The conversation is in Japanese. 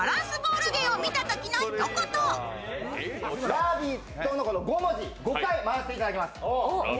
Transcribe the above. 「ラヴィット！」の５文字、５回、回させていただきます。